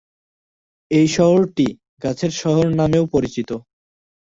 এই শহরটি "গাছের শহর" নামেও পরিচিত।